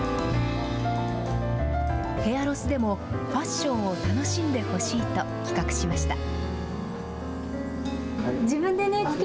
ヘアロスでもファッションを楽しんでほしいと企画しました。